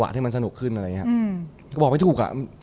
ผมาหว่างดีหรือไม่ถูก